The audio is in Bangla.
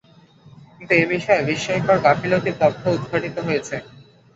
কিন্তু এ বিষয়ে বিস্ময়কর গাফিলতির তথ্য উদ্ঘাটিত হয়েছে।